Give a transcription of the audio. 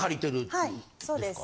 はいそうです。